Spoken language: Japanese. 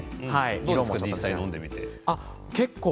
どうですか実際に飲んでみて。